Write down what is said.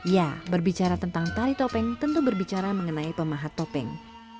ya berbicara tentang tari topeng tentu berbicara mengenai pemahat topeng